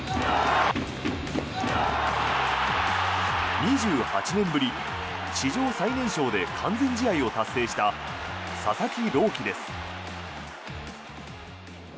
２８年ぶり史上最年少で完全試合を達成した佐々木朗希です。